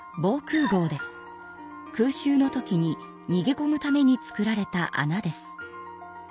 空襲の時ににげこむためにつくられたあなです。